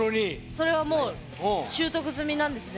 それはもう習得済みなんですね